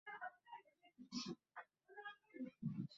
كيف استطعت فعل هذا؟